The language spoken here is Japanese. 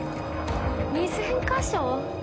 ２０００カ所？